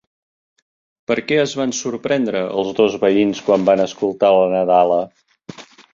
Per què es van sorprendre els dos veïns quan van escoltar la nadala?